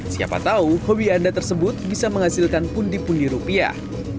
siapa tahu hobi anda tersebut bisa menghasilkan pundi pundi rupiah